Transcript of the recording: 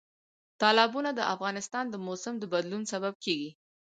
تالابونه د افغانستان د موسم د بدلون سبب کېږي.